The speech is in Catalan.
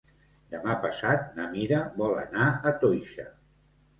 Demà passat na Mira vol anar a Toixa.